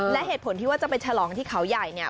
และเหตุผลที่ว่าจะไปฉลองที่เขาใหญ่เนี่ย